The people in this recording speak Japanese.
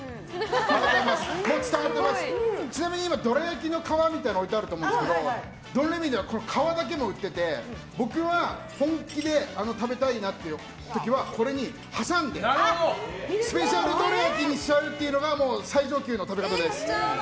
ちなみに今、どら焼きの皮みたいなの置いてあるんですけどドンレミーではこの皮だけも売っていて僕は本気で食べたい時はこれに挟んでスペシャルどら焼きにするのが最上級の食べ方です。